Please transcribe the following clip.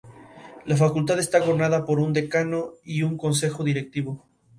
La Facultad está gobernada por un Decano y un Consejo Directivo.